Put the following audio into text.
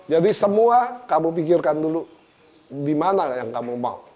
jadi semua kamu pikirkan dulu di mana yang kamu mau